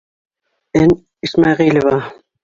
Н. ИСМӘҒИЛЕВА.